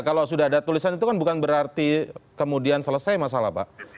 kalau sudah ada tulisan itu kan bukan berarti kemudian selesai masalah pak